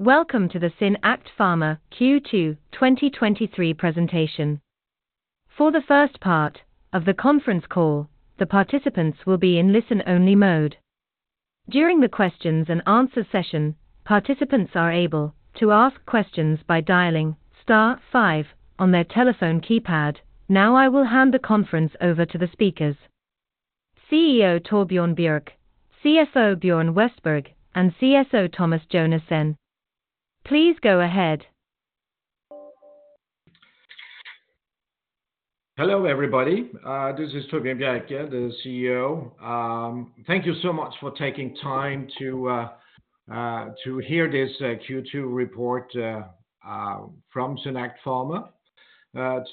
Welcome to the SynAct Pharma Q2 2023 presentation. For the first part of the conference call, the participants will be in listen-only mode. During the questions and answer session, participants are able to ask questions by dialing star five on their telephone keypad. I will hand the conference over to the speakers, CEO Torbjörn Bjerke, CFO Björn Westberg, and CSO Thomas Jonassen. Please go ahead. Hello, everybody. This is Torbjörn Bjerke, the CEO. Thank you so much for taking time to hear this Q2 report from SynAct Pharma.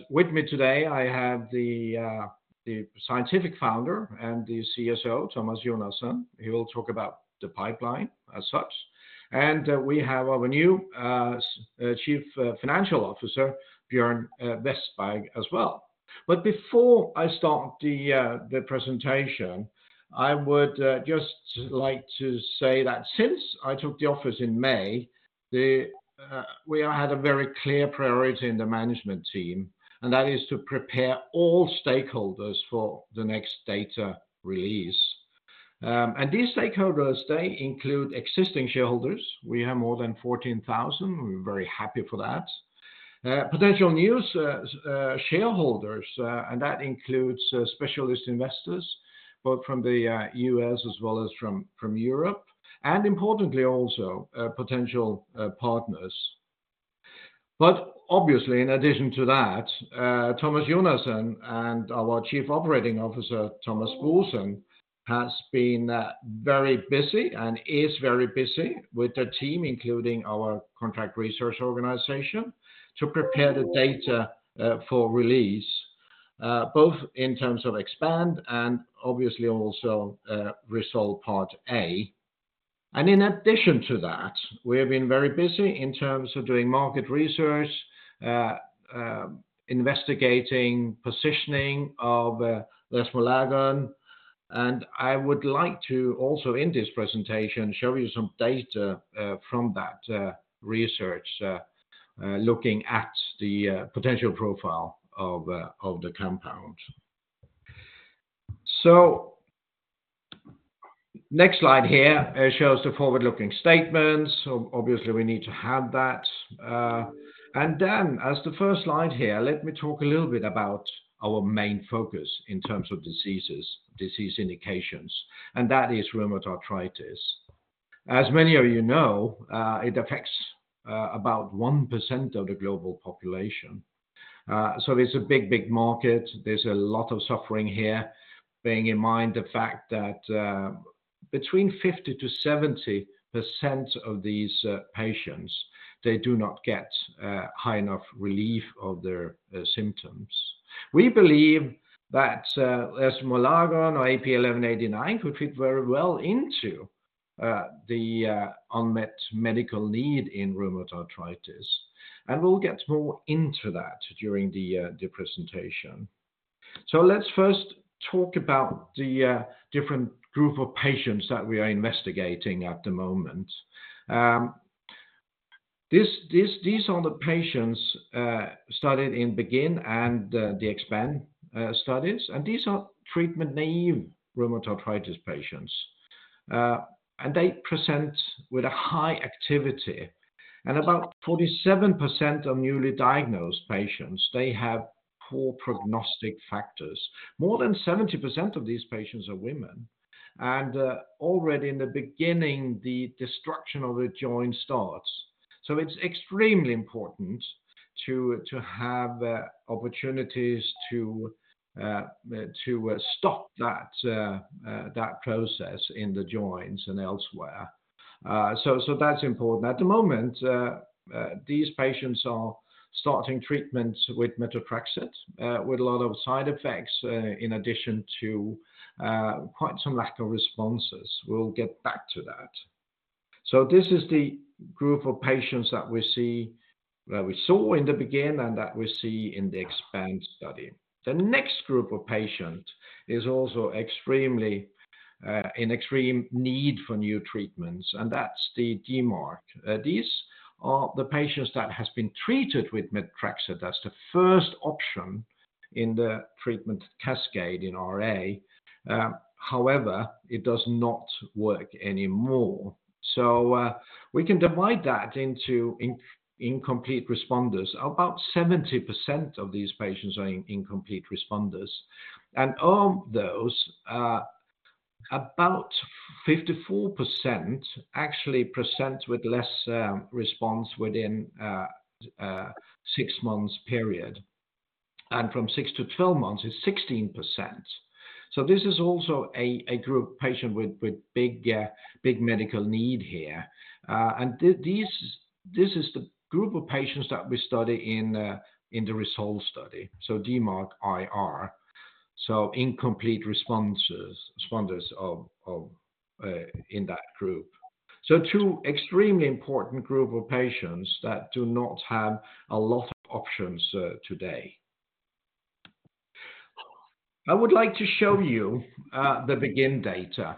With me today, I have the scientific founder and the CSO, Thomas Jonassen. He will talk about the pipeline as such, and we have our new Chief Financial Officer, Björn Westberg, as well. Before I start the presentation, I would just like to say that since I took the office in May, we had a very clear priority in the management team, and that is to prepare all stakeholders for the next data release. These stakeholders, they include existing shareholders. We have more than 14,000. We're very happy for that. Potential new shareholders, and that includes specialist investors, both from the U.S. as well as from Europe, importantly, also potential partners. Obviously, in addition to that, Thomas Jonassen and our Chief Operating Officer, Thomas Boesen, has been very busy and is very busy with the team, including our contract research organization, to prepare the data for release, both in terms of EXPAND and obviously also RESOLVE part A. In addition to that, we have been very busy in terms of doing market research, investigating positioning of resomelagon. I would like to also, in this presentation, show you some data from that research, looking at the potential profile of the compound. Next slide here, it shows the forward-looking statements. Obviously, we need to have that. And then as the first slide here, let me talk a little bit about our main focus in terms of diseases, disease indications, and that is rheumatoid arthritis. As many of you know, it affects about 1% of the global population. So it's a big, big market. There's a lot of suffering here, bearing in mind the fact that between 50%-70% of these patients, they do not get high enough relief of their symptoms. We believe that resomelagon or AP1189 could fit very well into the unmet medical need in rheumatoid arthritis, and we'll get more into that during the presentation. So let's first talk about the different group of patients that we are investigating at the moment. This, this, these are the patients studied in BEGIN and the EXPAND studies. These are treatment-naive rheumatoid arthritis patients. They present with a high activity, and about 47% of newly diagnosed patients, they have poor prognostic factors. More than 70% of these patients are women, and already in the beginning, the destruction of the joint starts. So it's extremely important to, to have opportunities to stop that process in the joints and elsewhere. So, that's important. At the moment, these patients are starting treatment with methotrexate, with a lot of side effects, in addition to quite some lack of responses. We'll get back to that. Sp this is the group of patients that we saw in the BEGIN and that we see in the EXPAND study. The next group of patients is also extremely in extreme need for new treatments, and that's the DMARD. These are the patients that has been treated with methotrexate. That's the first option in the treatment cascade in RA. However, it does not work anymore. We can divide that into incomplete responders. About 70% of these patients are incomplete responders, and of those, about 54% actually present with less response within a six months period, and from six to 12 months, it's 16%. This is also a group patient with big medical need here. And this is the group of patients that we study in the RESOLVE study. DMARD-IR, so incomplete responses, responders of, of in that group. 2 extremely important group of patients that do not have a lot of options today. I would like to show you the BEGIN data.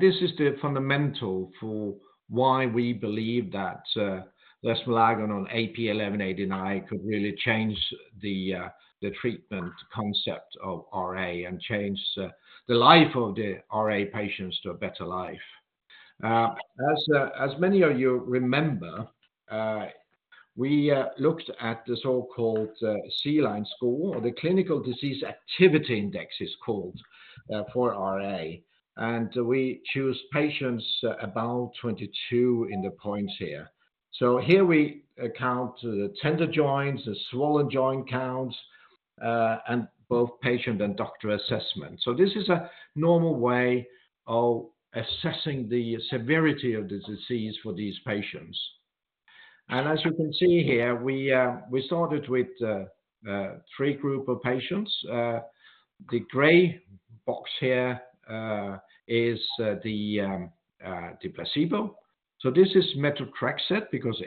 This is the fundamental for why we believe that resomelagon on AP1189 could really change the the treatment concept of RA and change the life of the RA patients to a better life. As as many of you remember, we looked at the so-called CDAI score, or the Clinical Disease Activity Index, it's called for RA, and we choose patients about 22 in the points here. Here we count the tender joints, the swollen joint counts, and both patient and doctor assessment. This is a normal way of assessing the severity of the disease for these patients. As you can see here, we, we started with a three group of patients. The gray box here, is, the, the placebo. This is methotrexate, because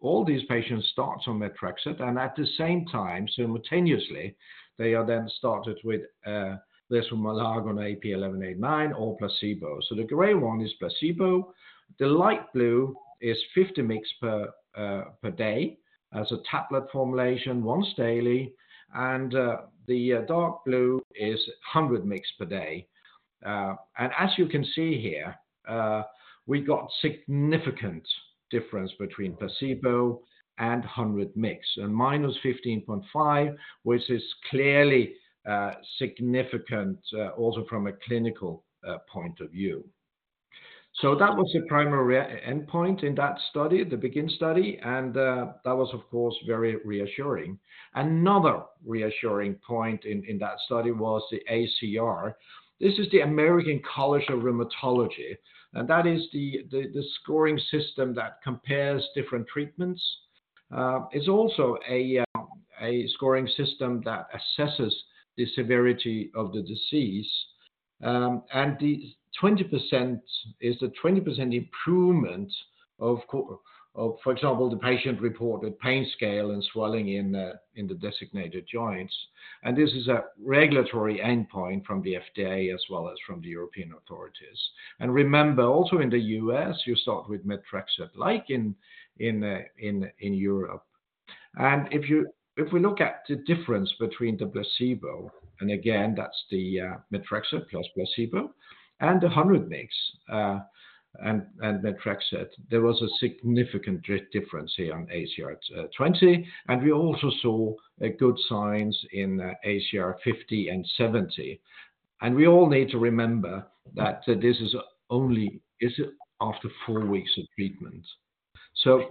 all these patients start on methotrexate, and at the same time, simultaneously, they are then started with resomelagon AP1189 or placebo. The gray one is placebo. The light blue is 50 mg per per day, as a tablet formulation, once daily. The, dark blue is 100 mg per day. As you can see here, we got significant difference between placebo and 100 mg. -15.5, which is clearly significant also from a clinical point of view. That was the primary endpoint in that study, the BEGIN study, and that was, of course, very reassuring. Another reassuring point in that study was the ACR. This is the American College of Rheumatology, and that is the scoring system that compares different treatments. It's also a scoring system that assesses the severity of the disease. The 20% is a 20% improvement of, for example, the patient-reported pain scale and swelling in the designated joints. This is a regulatory endpoint from the FDA as well as from the European authorities. Remember, also in the U.S., you start with methotrexate, like in Europe. If we look at the difference between the placebo, and again, that's the methotrexate plus placebo, and the 100 mg and methotrexate, there was a significant difference here on ACR at 20, and we also saw good signs in ACR50 and ACR70. We all need to remember that this is only after four weeks of treatment.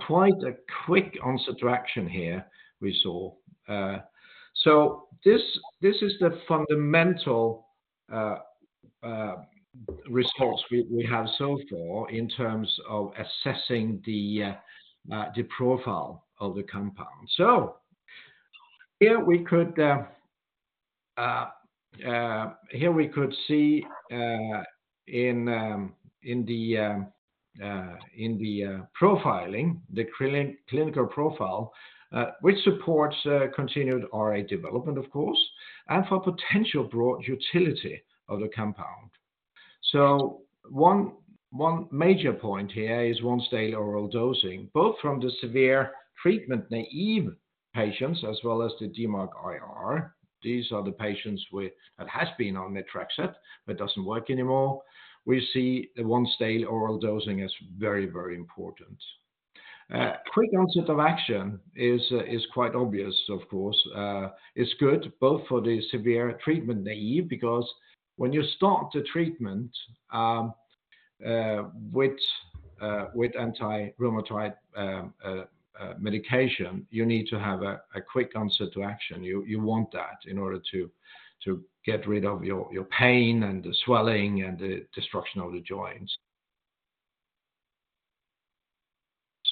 Quite a quick onset action here, we saw. This, this is the fundamental response we have so far in terms of assessing the profile of the compound. So, here we could see in the profiling, the clinical profile, which supports continued RA development, of course, and for potential broad utility of the compound. So, one major point here is once-daily oral dosing, both from the severe treatment-naive patients as well as the DMARD-IR. These are the patients that has been on methotrexate, but doesn't work anymore. We see the once-daily oral dosing is very, very important. Quick onset of action is quite obvious, of course. It's good both for the severe treatment-naive, because when you start the treatment with anti-rheumatoid medication, you need to have a quick onset to action. You want that in order to get rid of your pain and the swelling and the destruction of the joints.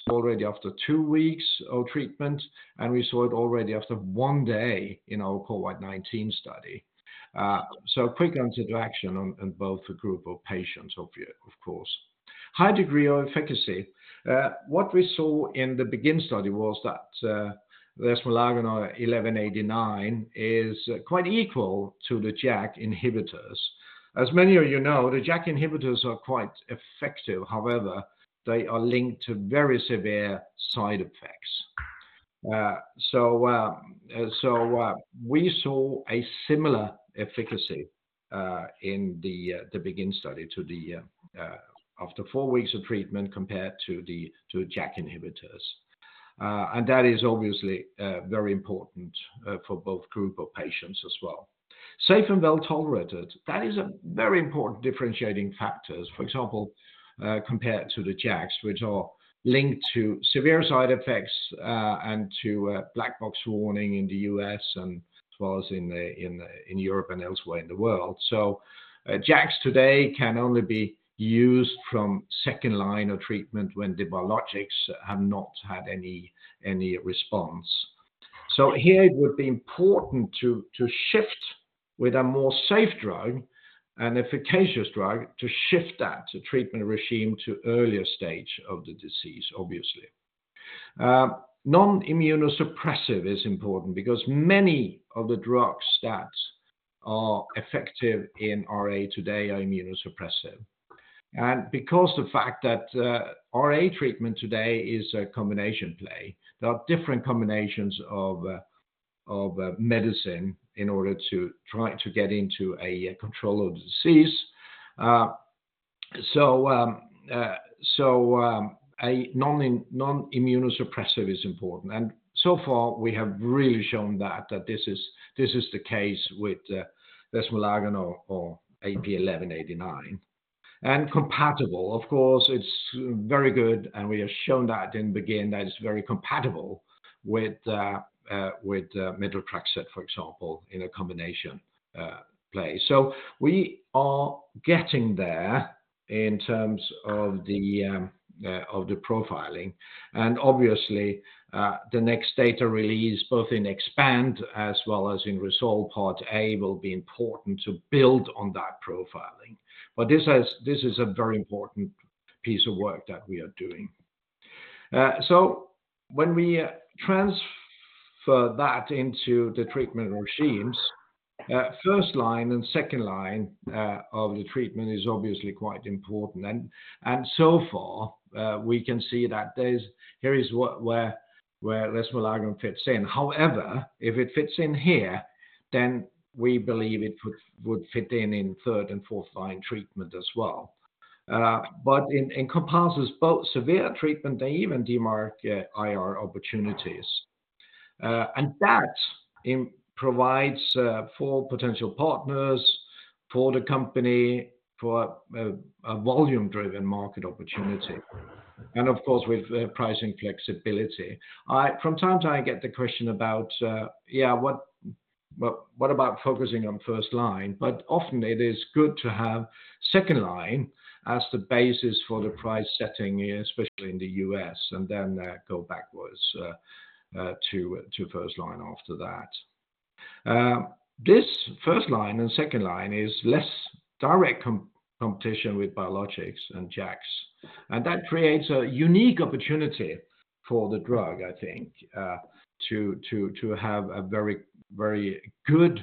Already after two weeks of treatment, we saw it already after one day in our COVID-19 study. Quick onset of action in both the group of patients, of course. High degree of efficacy. What we saw in the BEGIN study was that resomelagon AP1189 is quite equal to the JAK inhibitors. As many of you know, the JAK inhibitors are quite effective. However, they are linked to very severe side effects. We saw a similar efficacy in the BEGIN study to the after four weeks of treatment compared to the JAK inhibitors. And that is obviously very important for both group of patients as well. Safe and well tolerated. That is a very important differentiating factors. For example, compared to the JAKs, which are linked to severe side effects, and to boxed warning in the U.S. and as well as in Europe and elsewhere in the world. JAKs today can only be used from second line of treatment when the biologics have not had any, any response. Here it would be important to, to shift with a more safe drug and efficacious drug, to shift that to treatment regime to earlier stage of the disease, obviously. Non-immunosuppressive is important because many of the drugs that are effective in RA today are immunosuppressive. Because the fact that RA treatment today is a combination play, there are different combinations of medicine in order to try to get into a control of the disease. So a non-immunosuppressive is important, and so far we have really shown that, that this is, this is the case with resomelagon or AP1189. And compatible, of course, it's very good, and we have shown that in BEGIN that it's very compatible with, with methotrexate, for example, in a combination play. We are getting there in terms of the profiling, and obviously, the next data release, both in EXPAND as well as in RESOLVE Part A, will be important to build on that profiling. This is, this is a very important piece of work that we are doing. So when we transfer that into the treatment regimes, first line and second line of the treatment is obviously quite important. So far, we can see that here is what, where, where resomelagon fits in. If it fits in here, then we believe it would, would fit in, in third and fourth line treatment as well. But it encompasses both severe treatment and even DMARD-IR opportunities. That improvides for potential partners, for the company, for a volume-driven market opportunity, and of course, with pricing flexibility. I, from time to time, I get the question about, yeah, what, what, what about focusing on first line? But often it is good to have second line as the basis for the price setting, especially in the U.S., and then go backwards to first line after that. This first line and second line is less direct competition with biologics and JAKs, and that creates a unique opportunity for the drug, I think, to have a very, very good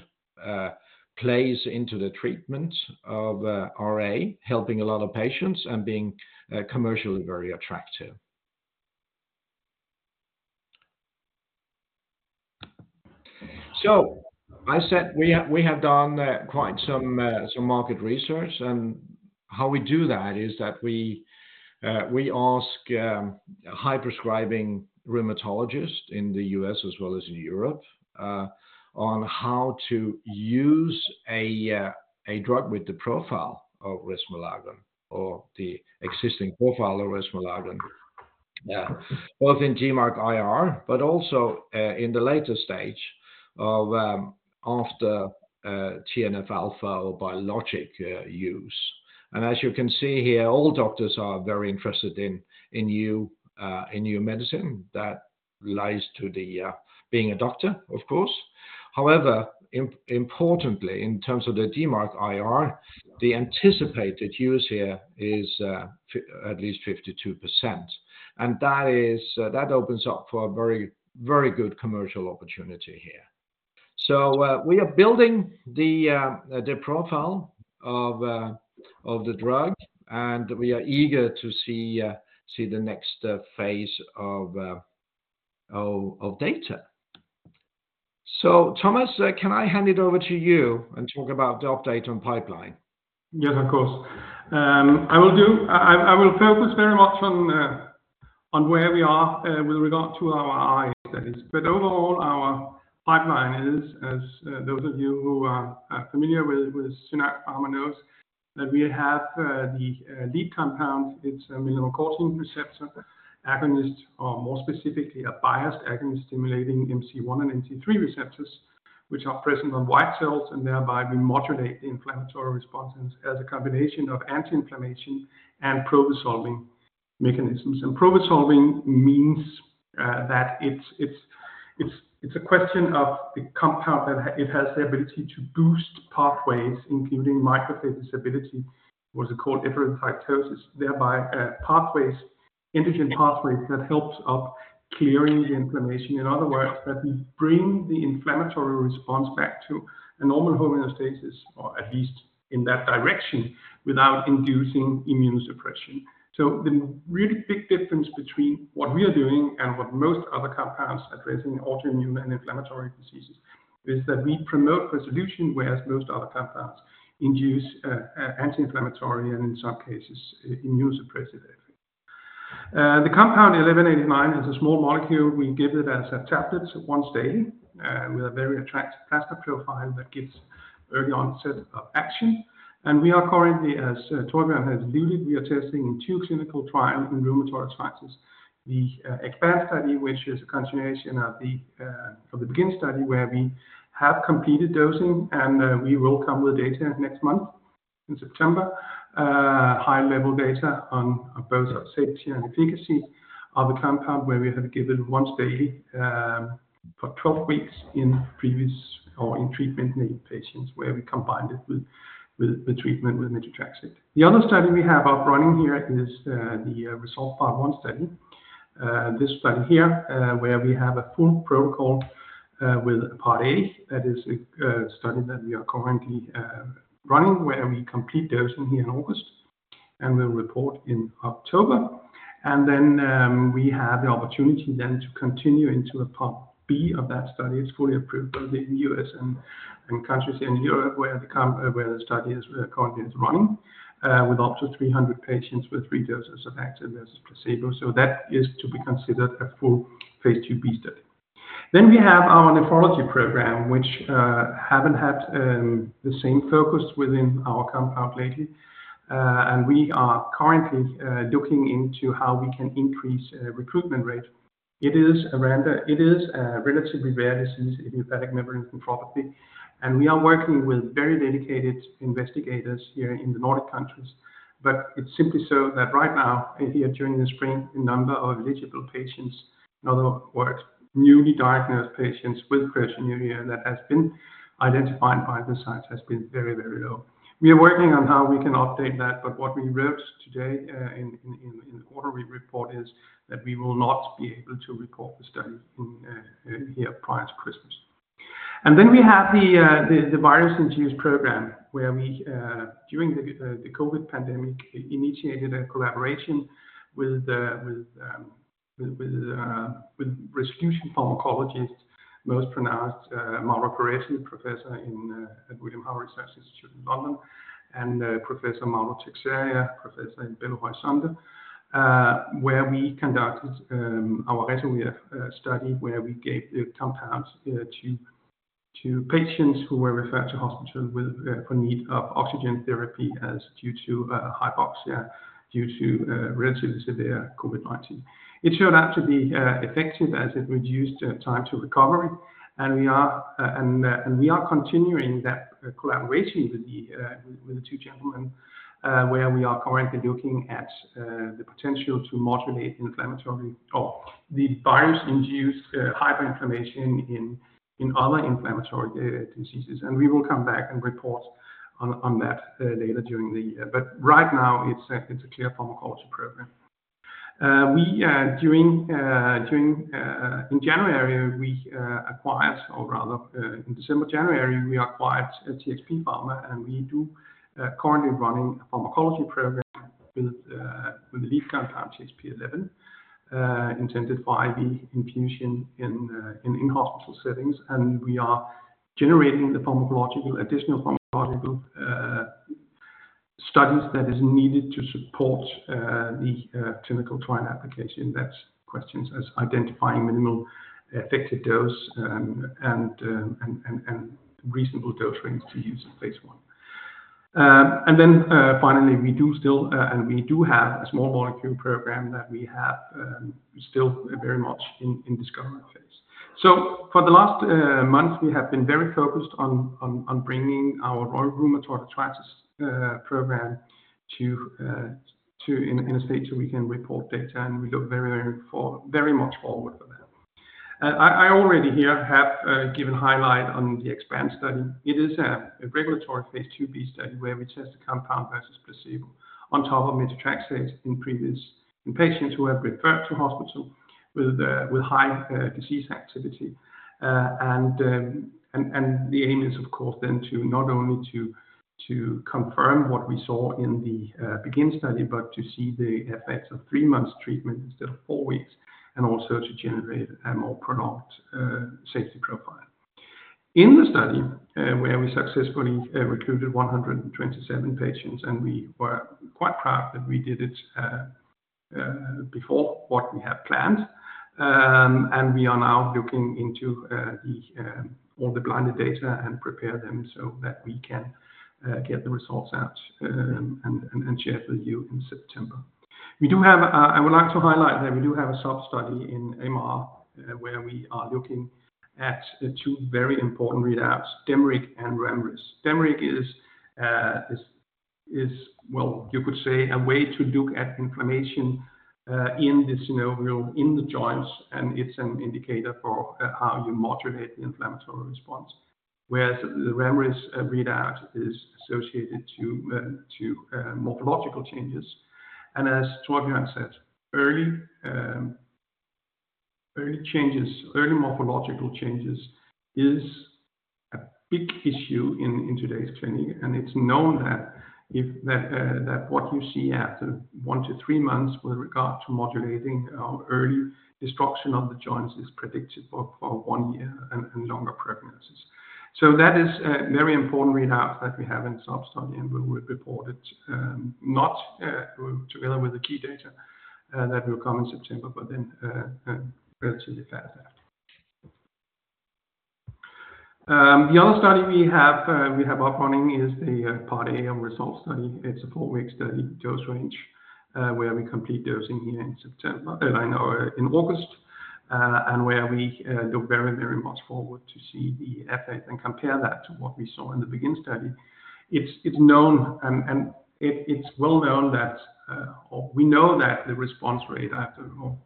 place into the treatment of RA, helping a lot of patients and being commercially very attractive. So I said we have, we have done quite some market research, and how we do that is that we ask high prescribing rheumatologists in the U.S. as well as in Europe on how to use a drug with the profile of resomelagon or the existing profile of resomelagon, both in DMARD-IR, but also in the later stage of after TNF-α or biologic use. As you can see here, all doctors are very interested in new in new medicine that lies to the being a doctor, of course. However, importantly, in terms of the DMARD-IR, the anticipated use here is at least 52%, and that is that opens up for a very, very good commercial opportunity here. So we are building the, the profile of, of the drug, and we are eager to see, see the next, phase of, of, of data. So Thomas, can I hand it over to you and talk about the update on pipeline? Yes, of course. I will focus very much on where we are with regard to RI studies. Overall, our pipeline is, as those of you who are familiar with SynAct Pharma knows, that we have the lead compound. It's a mineralocorticoid receptor agonist, or more specifically, a biased agonist stimulating MC1 and MC3 receptors, which are present on white cells, and thereby we modulate the inflammatory response as a combination of anti-inflammation and problem-solving mechanisms. Problem-solving means that it's a question of the compound, that it has the ability to boost pathways, including microphagocytic activity, what's it called, different cytosis, thereby pathways, endocrine pathways that helps of clearing the inflammation. In other words, that we bring the inflammatory response back to a normal homeostasis, or at least in that direction, without inducing immunosuppression. The really big difference between what we are doing and what most other compounds addressing autoimmune and inflammatory diseases, is that we promote resolution, whereas most other compounds induce anti-inflammatory and, in some cases, immunosuppressive effect. The compound 1189 is a small molecule. We give it as a tablet once daily, with a very attractive plasma profile that gives early onset of action. We are currently, as Torbjørn has alluded, we are testing in two clinical trials in rheumatoid arthritis. The EXPAND study, which is a continuation of the BEGIN study, where we have completed dosing, and we will come with data next month, in September. High-level data on, on both safety and efficacy of the compound, where we have given once daily for 12 weeks in previous or in treatment-naïve patients, where we combined it with the treatment with methotrexate. The other study we have up running here is the RESOLVE Part 1 study. This study here, where we have a full protocol, with Part A, that is a study that we are currently running, where we complete dosing here in August, and we'll report in October. Then we have the opportunity then to continue into a Part B of that study. It's fully approved both in the U.S. and countries in Europe, where the study is currently running, with up to 300 patients with three doses of active versus placebo. That is to be considered a full phase II-B study. We have our nephrology program, which haven't had the same focus within our compound lately. We are currently looking into how we can increase recruitment rate. It is a relatively rare disease, idiopathic membranous nephropathy, and we are working with very dedicated investigators here in the Nordic countries. It's simply so that right now, here during the spring, the number of eligible patients, in other words, newly diagnosed patients with crescentic glomerulonephritis that has been identified by the sites, has been very, very low. We are working on how we can update that, but what we wrote today in the quarterly report, is that we will not be able to report the study in here prior to Christmas. h, the virus-induced program, where we, during the COVID pandemic, initiated a collaboration with the, with resolution pharmacologist, most pronounced Mauro Perretti, professor at William Harvey Research Institute in London, and Professor Mauro Teixeira, professor in Belo Horizonte, where we conducted our Retrovir study, where we gave the compounds to patients who were referred to hospital for need of oxygen therapy due to hypoxia due to relatively severe COVID-19. It showed up to be effective as it reduced time to recovery, and we are continuing that collaboration with the two gentlemen, where we are currently looking at the potential to modulate inflammatory or the virus-induced hyperinflammation in other inflammatory diseases. We will come back and report on, on that later during the year. Right now, it's a clear pharmacology program. In January, we acquired, or rather, in December, January, we acquired a TXP Pharma, and we do currently running a pharmacology program with the lead compound, TXP-11, intended for IV infusion in in-hospital settings. We are generating the pharmacological, additional pharmacological studies that is needed to support the clinical trial application. That's questions as identifying minimal effective dose and reasonable dose range to use in phase I. Finally, we do still and we do have a small molecule program that we have still very much in discovery phase. So for the last month, we have been very focused on bringing our rheumatoid arthritis program to in a state so we can report data, and we look very much forward for that. I already here have given highlight on the EXPAND study. It is a regulatory Phase II-B study, where we test the compound versus placebo on top of methotrexate in patients who have referred to hospital with high disease activity. And the aim is, of course, then to not only to confirm what we saw in the BEGIN study, but to see the effects of three months treatment instead of four weeks, and also to generate a more pronounced safety profile. In the study, where we successfully recruited 127 patients, and we were quite proud that we did it before what we had planned. We are now looking into all the blinded data and prepare them so that we can get the results out and share with you in September. We do have. I would like to highlight that we do have a sub-study in MRI, where we are looking at a two very important readouts: DMARD and RAMRIS. DMARD is, well, you could say, a way to look at inflammation in the synovial, in the joints, and it's an indicator for how you modulate the inflammatory response. Whereas the RAMRIS readout is associated to morphological changes. As Torbjorn said, early, early changes, early morphological changes is a big issue in, in today's clinic, and it's known that if, that what you see after one to three months with regard to modulating, early destruction of the joints is predicted for, for one year and, and longer prognoses. So that is a very important readout that we have in sub-study, and we will report it, not, together with the key data, that will come in September, but then, relatively fast after. The other study we have, we have up running is the, Part A results study. It's a four-week study, dose range, where we complete dosing here in September, no, in August, and where we look very, very much forward to see the effect and compare that to what we saw in the BEGIN study. It's, it's known, and, and it, it's well known that, or we know that the response rate after, or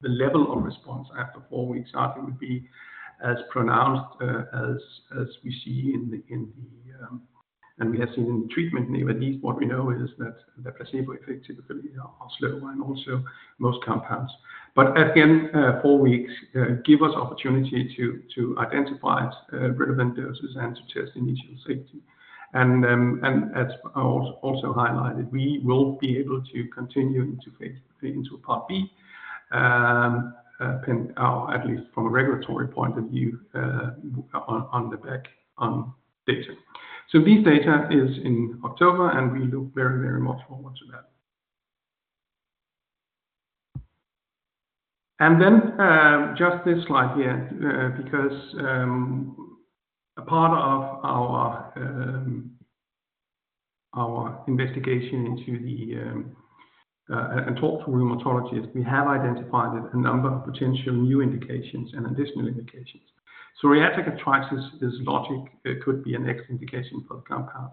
the level of response after four weeks, actually, would be as pronounced, as, as we see in the, in the, and we have seen in treatment, at least what we know is that the placebo effect typically are, are slower and also most compounds. But again, four weeks give us opportunity to, to identify relevant doses and to test initial safety. And as I also highlighted, we will be able to continue into phase, phase into a Part B, and at least from a regulatory point of view, on, on the back, on data. These data is in October, and we look very, very much forward to that. And then just this slide here, because a part of our investigation into the, and talk to rheumatologists, we have identified a number of potential new indications and additional indications. Reactive arthritis is logic. It could be a next indication for the compound.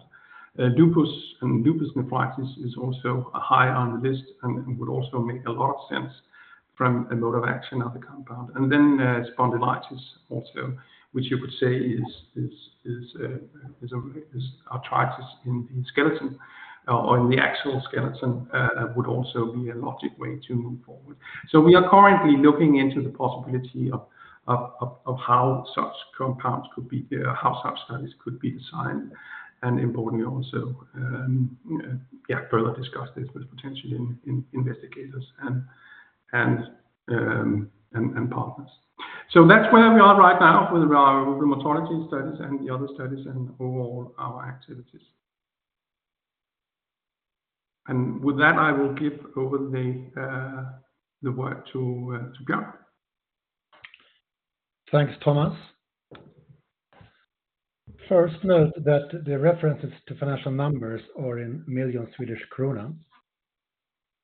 Lupus and lupus nephritis is also high on the list and would also make a lot of sense from a mode of action of the compound. There's spondylitis also, which you could say is, is, is, is arthritis in the skeleton or in the axial skeleton, would also be a logic way to move forward. We are currently looking into the possibility of how such compounds could be, how such studies could be designed, and importantly also, yeah, further discuss this with potential investigators and partners. That's where we are right now with our rheumatology studies and the other studies and all our activities. With that, I will give over the word to Björn. Thanks, Thomas. First, note that the references to financial numbers are in million Swedish krona.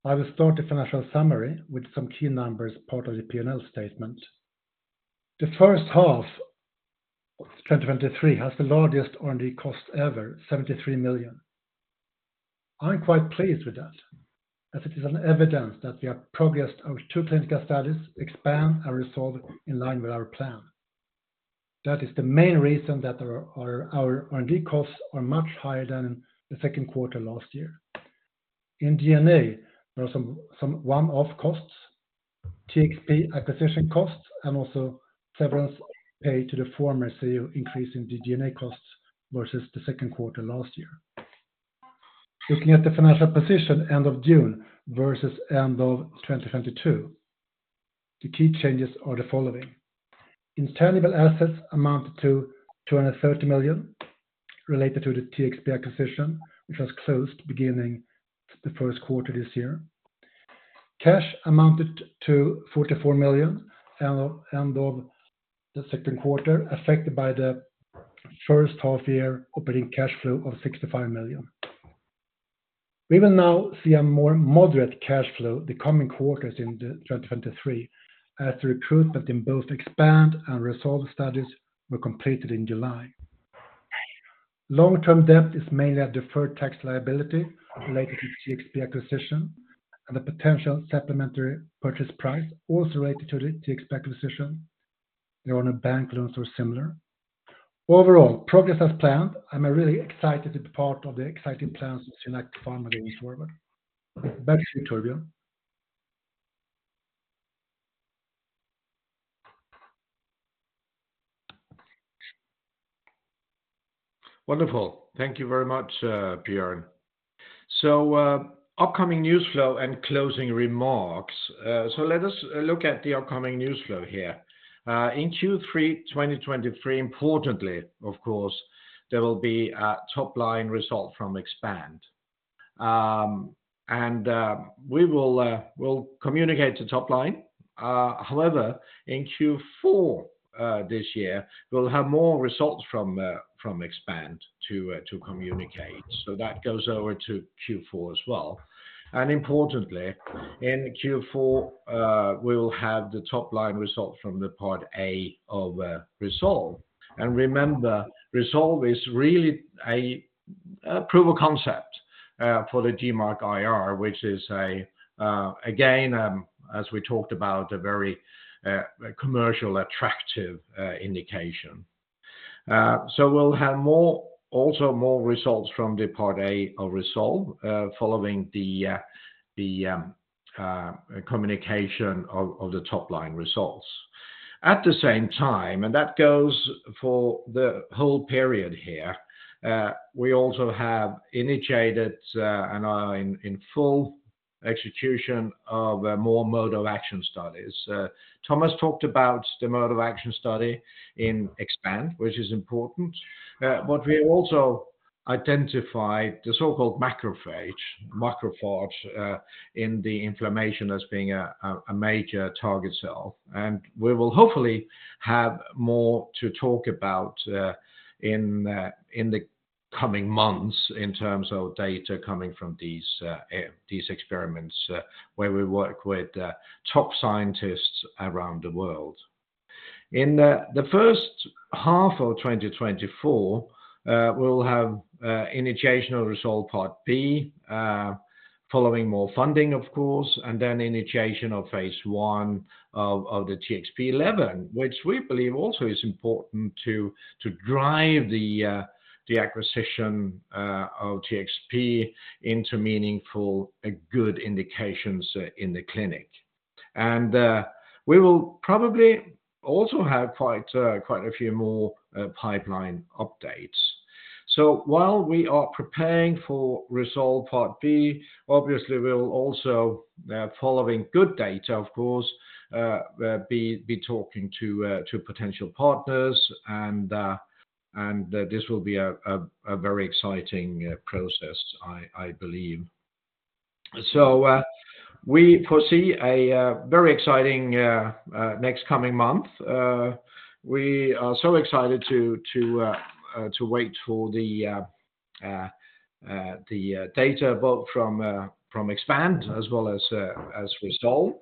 I will start the financial summary with some key numbers, part of the P&L statement. The first half of 2023 has the largest R&D cost ever, 73 million. I'm quite pleased with that, as it is an evidence that we have progressed our two clinical studies, EXPAND and RESOLVE in line with our plan. That is the main reason that our R&D costs are much higher than the second quarter last year. In D&A, there are some one-off costs, TXP acquisition costs, and also severance pay to the former CEO, increasing the D&A costs versus the second quarter last year. Looking at the financial position, end of June versus end of 2022, the key changes are the following: Intangible assets amounted to 230 million, related to the TXP acquisition, which was closed beginning the 1st quarter this year. Cash amounted to 44 million end of the 2nd quarter, affected by the 1st half year operating cash flow of 65 million. We will now see a more moderate cash flow the coming quarters in 2023, as the recruitment in both EXPAND and RESOLVE studies were completed in July. Long-term debt is mainly a deferred tax liability related to TXP acquisition and a potential supplementary purchase price, also related to the TXP acquisition. They own a bank loans or similar. Overall, progress as planned. I'm really excited to be part of the exciting plans with SynAct Pharma going forward. Back to you, Torbjörn. Wonderful. Thank you very much, Björn. Upcoming news flow and closing remarks. Let us look at the upcoming news flow here. In Q3 2023, importantly, of course, there will be a top-line result from EXPAND. We will, we'll communicate the top line. However, in Q4 this year, we'll have more results from EXPAND to communicate. That goes over to Q4 as well. Importantly, in Q4, we will have the top-line result from the part A of RESOLVE. Remember, RESOLVE is really a proof of concept for the DMARD-IR, which is again, as we talked about, a very commercial attractive indication. So we'll have more, also more results from the Part A of RESOLVE, following the communication of the top-line results. At the same time, and that goes for the whole period here, we also have initiated and are in full execution of more mode of action studies. Thomas talked about the mode of action study in EXPAND, which is important. We also identified the so-called macrophage, macrophage in the inflammation as being a, a, a major target cell. We will hopefully have more to talk about in the coming months in terms of data coming from these experiments, where we work with top scientists around the world. In the first half of 2024, we'll have initiation of Resolve Part B, following more funding, of course, and then initiation of phase 1 of the TXP-11, which we believe also is important to drive the acquisition of TXP into meaningful and good indications in the clinic. And then, we will probably also have quite a few more pipeline updates. So while we are preparing for Resolve Part B, obviously, we'll also, following good data, of course, be talking to potential partners, and this will be a very exciting process, I believe. So we foresee a very exciting next coming month. We are so excited to wait for the data, both from EXPAND as well as RESOLVE.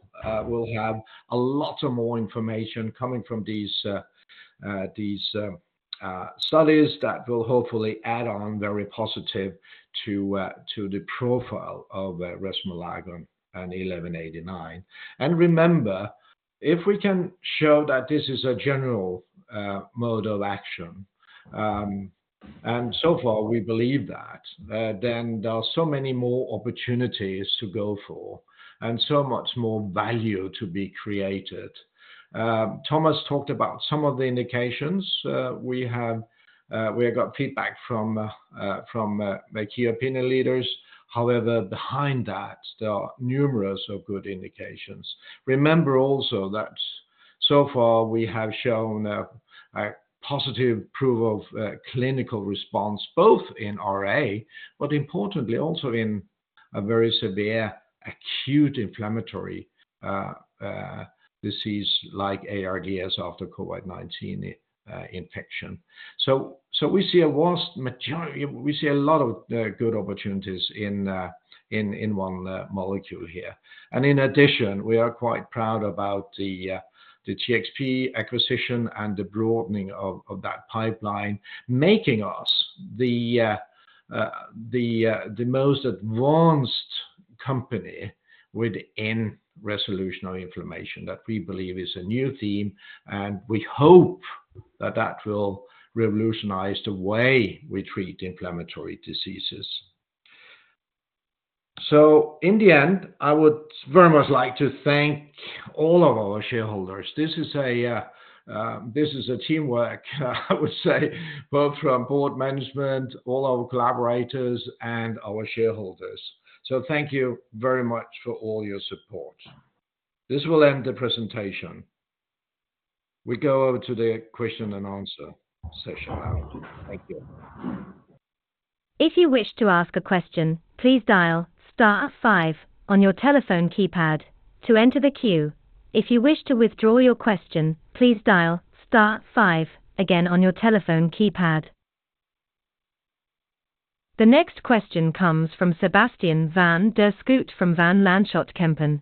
We'll have a lot of more information coming from these studies that will hopefully add on very positive to the profile of resomelagon and 1189. Remember, if we can show that this is a general mode of action, and so far, we believe that, then there are so many more opportunities to go for and so much more value to be created. Thomas talked about some of the indications. We have, we have got feedback from the key opinion leaders. However, behind that, there are numerous of good indications. Remember also that so far we have shown a positive proof of clinical response, both in RA, but importantly also in a very severe acute inflammatory disease like ARDS after COVID-19 infection. We see a lot of good opportunities in one molecule here. And in addition, we are quite proud about the TXP acquisition and the broadening of that pipeline, making us the most advanced company within resolution of inflamation, that we believe is a new theme, and we hope that that will revolutionize the way we treat inflammatory diseases. In the end, I would very much like to thank all of our shareholders. This is a, this is a teamwork, I would say, both from board management, all our collaborators, and our shareholders. So thank you very much for all your support. This will end the presentation. We go over to the question and answer session now. Thank you. If you wish to ask a question, please dial star five on your telephone keypad to enter the queue. If you wish to withdraw your question, please dial star five again on your telephone keypad. The next question comes from Sebastian van der Schoot from Van Lanschot Kempen.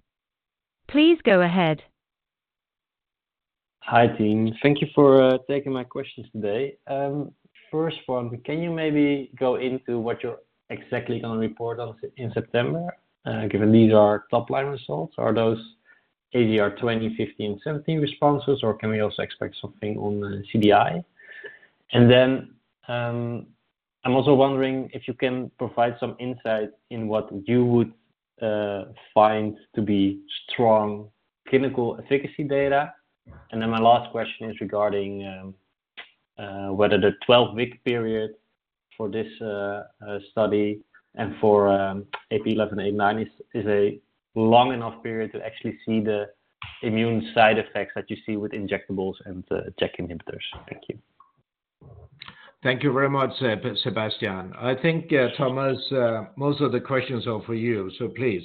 Please go ahead. Hi, team. Thank you for taking my questions today. First one, can you maybe go into what you're exactly going to report on in September? Given these are top-line results, are those ACR20, 50, and 70 responses, or can we also expect something on the CDAI? Then, I'm also wondering if you can provide some insight in what you would find to be strong clinical efficacy data. Then my last question is regarding whether the 12-week period for this study and for AP1189 is a long enough period to actually see the immune side effects that you see with injectables and the JAK inhibitors. Thank you very much, Sebastiaan. I think Thomas, most of the questions are for you, so please.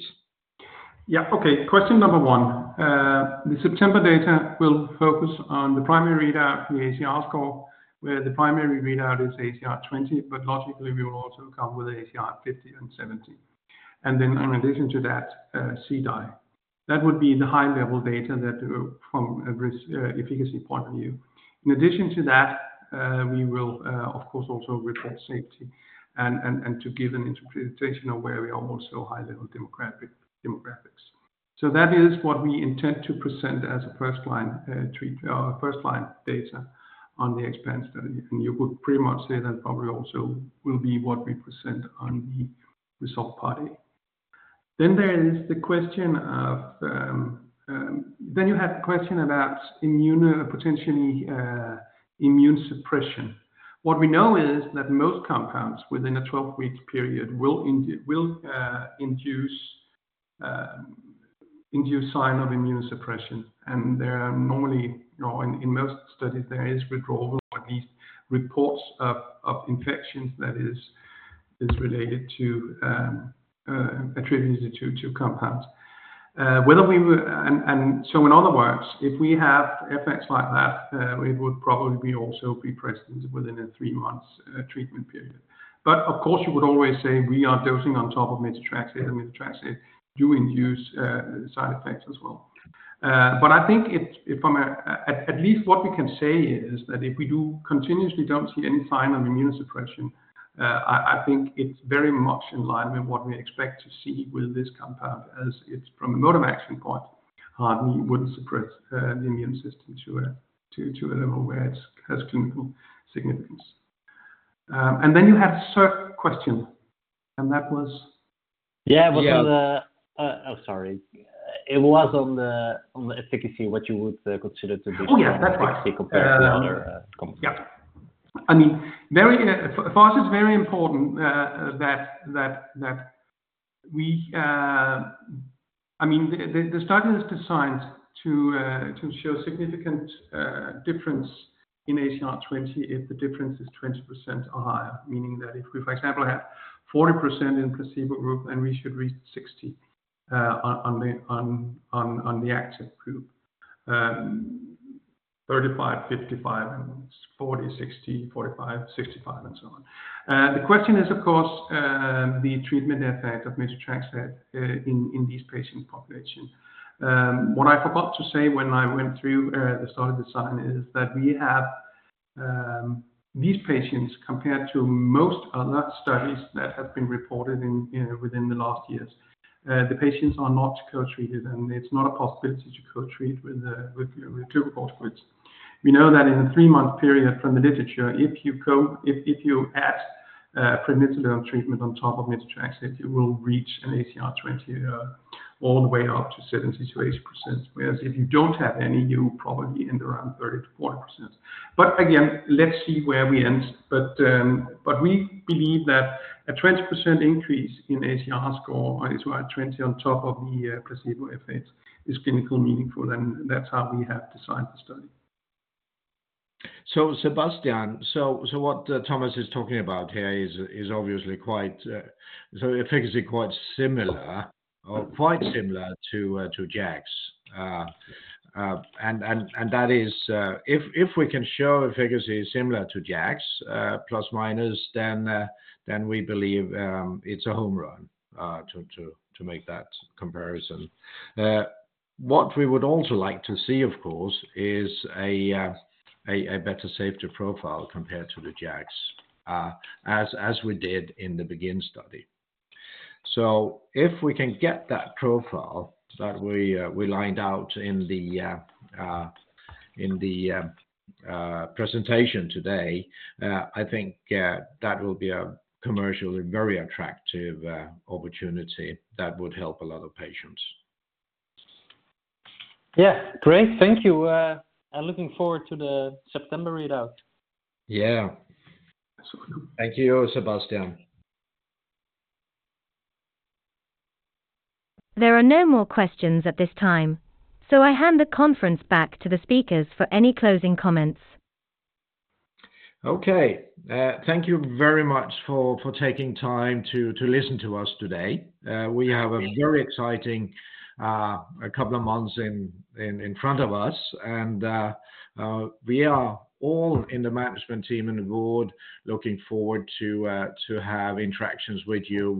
Yeah. Okay, question number one, the September data will focus on the primary readout, the ACR score, where the primary readout is ACR20. Logically, we will also come with ACR50 and ACR70. In addition to that, CDAI. That would be the high-level data that from a risk efficacy point of view. In addition to that, we will, of course, also report safety and to give an interpretation of where we are also high-level demographics. That is what we intend to present as a first-line first-line data on the EXPAND study. You would pretty much say that probably also will be what we present on the RESOLVE Part A. There is the question of. Then you have the question about immune, potentially, immune suppression. What we know is that most compounds within a 12-week period will, will induce, induce sign of immune suppression, and there are normally, you know, in, in most studies, there is withdrawal or at least reports of, of infections that is, is related to, attributed to, to compounds. So in other words, if we have effects like that, it would probably be also be present within a three-months treatment period. Of course, you would always say we are dosing on top of methotrexate, and methotrexate do induce side effects as well. But I think it, from a, at least what we can say is that if we do continuously don't see any sign of immunosuppression, I think it's very much in line with what we expect to see with this compound, as it's from a mode of action point, hardly wouldn't suppress, the immune system to a level where it has clinical significance. Then you have third question, and that was? Yeah, it was on the- Yeah. Sorry. It was on the, on the efficacy, what you would, consider to be. Oh, yeah, that's right. efficacy compared to other compounds. Yeah. I mean, very for us, it's very important. That, that, that I mean, the study is designed to show significant difference in ACR20 if the difference is 20% or higher. Meaning that if we, for example, have 40% in placebo group, then we should reach 60 on the active group. 35, 55, and 40, 60, 45, 65, and so on. The question is, of course, the treatment effect of methotrexate in these patient population. What I forgot to say when I went through the study design is that we have these patients, compared to most other studies that have been reported in, you know, within the last years, the patients are not co-treated, and it's not a possibility to co-treat with two phosphate. We know that in a three-month period from the literature, if you add prednisolone treatment on top of methotrexate, it will reach an ACR20 all the way up to 70%-80%, whereas if you don't have any, you probably end around 30%-40%. Again, let's see where we end. We believe that a 20% increase in ACR score, ACR20, on top of the placebo effect is clinical meaningful, and that's how we have designed the study. Sebastiaan, so, so what Thomas is talking about here is, is obviously quite, so efficacy quite similar or quite similar to, to JAK. And, and that is, if, if we can show efficacy similar to JAK±, then, then we believe, it's a home run, to, to, to make that comparison. What we would also like to see, of course, is a, a, a better safety profile compared to the JAK, as, as we did in the BEGIN study. If we can get that profile that we, we lined out in the, in the, presentation today, I think, that will be a commercially very attractive, opportunity that would help a lot of patients. Yeah, great. Thank you. I'm looking forward to the September readout. Yeah. Absolutely. Thank you, Sebastiaan. There are no more questions at this time, so I hand the conference back to the speakers for any closing comments. Okay. Thank you very much for taking time to listen to us today. We have a very exciting couple of months in front of us, and we are all in the management team and the board looking forward to have interactions with you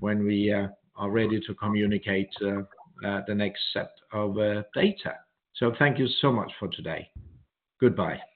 when we are ready to communicate the next set of data. Thank you so much for today. Goodbye.